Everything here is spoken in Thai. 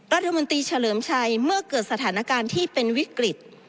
รัฐมนตรีเฉลิมชัยเมื่อเกิดสถานการณ์ที่เป็นวิกฤต